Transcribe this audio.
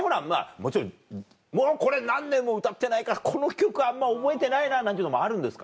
もちろん「もうこれ何年も歌ってないからこの曲あんま覚えてないな」なんていうのもあるんですか？